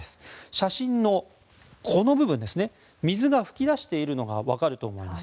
写真のこの部分水が噴き出しているのがわかると思います。